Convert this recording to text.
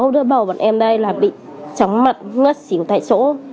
sáu đứa bầu bọn em đây là bị trống mặt ngất xỉu tại số